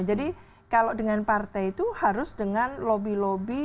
jadi kalau dengan partai itu harus dengan lobby lobby